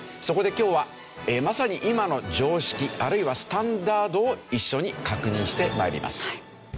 そこで今日はまさに今の常識あるいはスタンダードを一緒に確認して参ります。